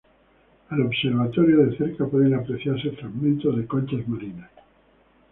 Al observarlo de cerca pueden apreciarse fragmentos de conchas marinas.